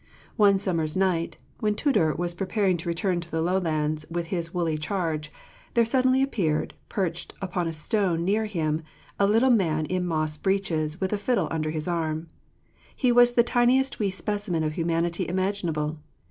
One summer's night, when Tudur was preparing to return to the lowlands with his woolly charge, there suddenly appeared, perched upon a stone near him, 'a little man in moss breeches with a fiddle under his arm. He was the tiniest wee specimen of humanity imaginable.